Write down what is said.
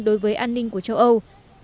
đối với an ninh của châu âu